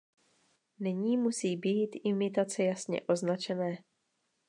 Nyní musí být imitace jasně označené.